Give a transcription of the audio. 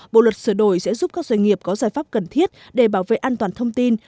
bộ luật sửa đổi sẽ giúp các doanh nghiệp có giải pháp cần thiết để bảo vệ an toàn thông tin